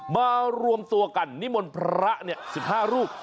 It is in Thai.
มารวมตัวกันนิมนต์พระ๑๕รูป